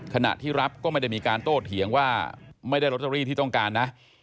ขณะที่รับก็ไม่ได้มีการโต้เถียงว่าไม่ได้ลอตเตอรี่ที่ต้องการนะ